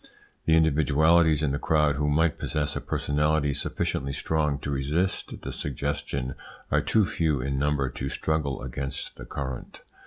The individualities in the crowd who might possess a personality sufficiently strong to resist the suggestion are too few in number to struggle against the current.